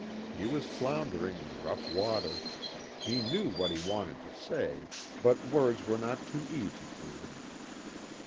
He was floundering in rough water. He knew what he wanted to say, but words were not too easy to him.